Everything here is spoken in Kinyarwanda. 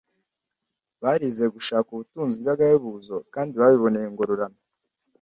barize gushaka ubutunzi bw’agahebuzo, kandi babiboneye ingororano